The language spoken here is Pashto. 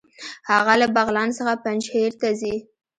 هغه له بغلان څخه پنجهیر ته ځي.